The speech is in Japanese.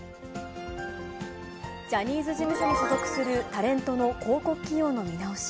ジャニーズ事務所に所属するタレントの広告企業の見直し。